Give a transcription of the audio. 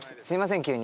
すいません